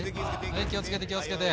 はい気をつけて気をつけて。